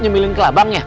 ngemiling ke labangnya